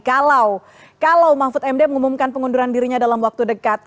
kalau mahfud md mengumumkan pengunduran dirinya dalam waktu dekat